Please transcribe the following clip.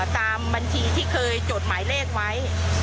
ตามบัญชีที่เคยจดหมายเลขไว้